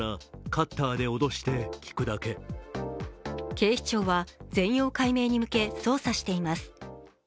警視庁は全容解明に向け捜査しています。